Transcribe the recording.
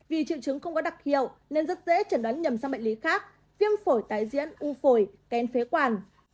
vì triệu chứng không có đặc hiệu nên rất dễ chẩn đoán nhầm sang bệnh lý khác viêm phổi tái diễn u phổi ken phế quản